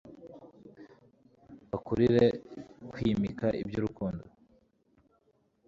bakurire kwimika iby'urukundo